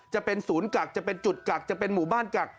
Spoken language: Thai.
จะเป็นศูนย์กักจะเป็นจุดกักจะเป็นหมู่บ้านกัก